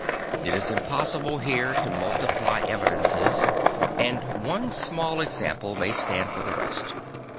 It is impossible here to multiply evidences, and one small example may stand for the rest.